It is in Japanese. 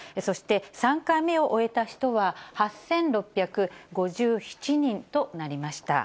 ３回目を終えた人は８６５７人となりました。